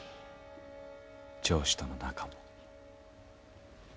上司との仲も。